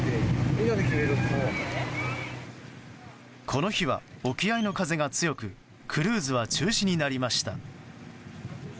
この日は沖合の風が強くクルーズは中止になりました。